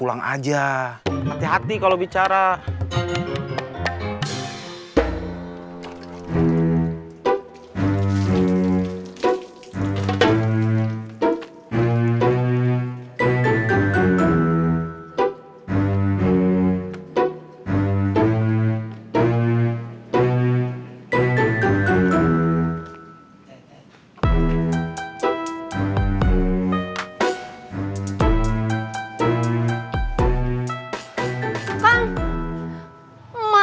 jangan jangan ke jakarta